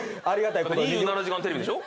『２７時間テレビ』でしょ？